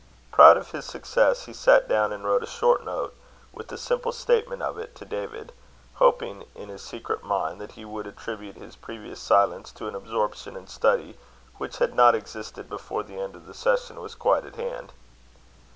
Proud of his success, he sat down and wrote a short note, with a simple statement of it, to David; hoping, in his secret mind, that he would attribute his previous silence to an absorption in study which had not existed before the end of the session was quite at hand.